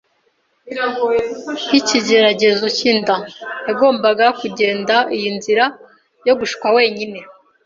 nk’ikigeragezo cy’inda. Yagombaga kugenda iyi nzira yo gushukwa wenyine